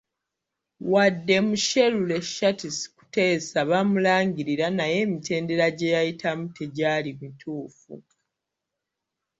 Wadde Musherure Shartis Kuteesa baamulangirira naye emitendera gye yayitamu tegyali mituufu.